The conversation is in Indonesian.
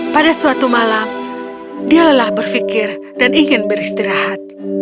pada suatu malam dia lelah berfikir dan ingin beristirahat